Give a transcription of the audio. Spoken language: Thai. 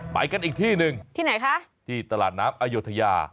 ไปกันอีกที่หนึ่งที่ไหนคะที่ตลาดน้ำอโยธยา